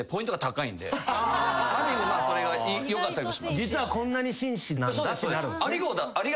実はこんなに紳士なんだってなる。